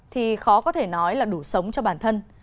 thì khó có thể nói là đủ sống cho bản thân